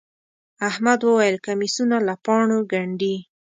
احمد وويل: کمیسونه له پاڼو گنډي.